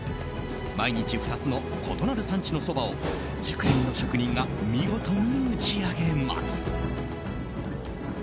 毎日２つの異なる産地のそばを熟練の職人が見事に打ちあげます。